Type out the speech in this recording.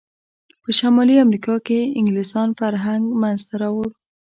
په شمالي امریکا کې انګلسان فرهنګ منځته راوړ.